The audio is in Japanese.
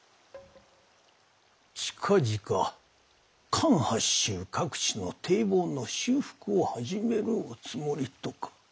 ちかぢか関八州各地の堤防の修復を始めるおつもりとか。